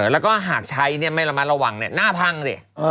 แล้วก็หากใช้เนี่ยไม่ระมัดระวังเนี่ยหน้าพังสิ